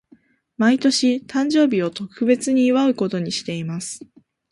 毎年、誕生日を特別に祝うことにしています。